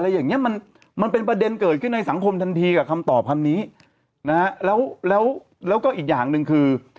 อะไรอย่างนี้มันเป็นประเด็นเกิดขึ้นในสังคมทันทีกับคำตอบคันนี้แล้วก็อีกอย่างหนึ่งคือ